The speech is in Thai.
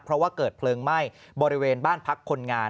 เพราะว่าเกิดเพลิงไหม้บริเวณบ้านพักคนงาน